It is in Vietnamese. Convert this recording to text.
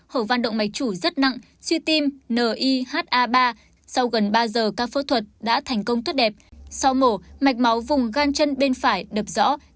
hổ văn động mạch chủ rất nặng suy tim niha ba sau gần ba giờ các phẫu thuật đã thành công tuyết đẹp